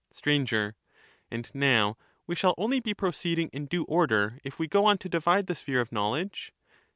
Sir, And now we shall only be proceeding in due order if we go on to divide the sphere of knowledge